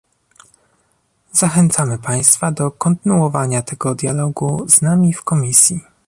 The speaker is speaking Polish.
Zachęcamy państwa do kontynuowania tego dialogu z nami w Komisji